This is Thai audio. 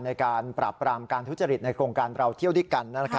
ในการปราบปรามการทุจริตในโครงการเราเที่ยวด้วยกัน